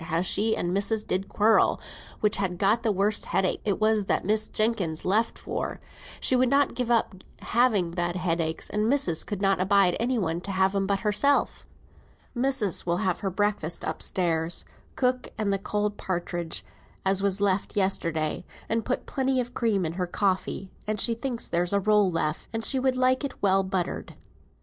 how she and missis did quarrel which had got the worst headaches; it was that Miss Jenkins left for; she would not give up having bad headaches, and missis could not abide any one to have 'em but herself." "Missis will have her breakfast up stairs, cook, and the cold partridge as was left yesterday, and put plenty of cream in her coffee, and she thinks there's a roll left, and she would like it well buttered."